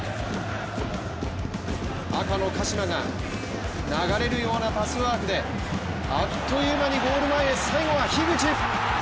赤の鹿島が流れるようなパスワークであっという間にゴール前へ、最後は樋口。